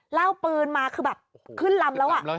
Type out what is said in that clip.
เหล้าปืนมาคือแบบขึ้นลำแล้ว